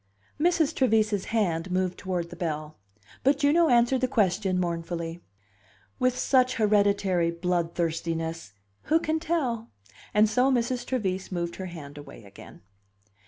Mrs. Trevise's hand moved toward the bell. But Juno answered the question mournfully: "With such hereditary bloodthirstiness, who can tell?" And so Mrs. Trevise moved her hand away again.